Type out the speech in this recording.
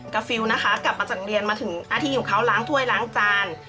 ฟิลนะคะกลับมาจากเรียนมาถึงอาทิตยของเขาล้างถ้วยล้างจาน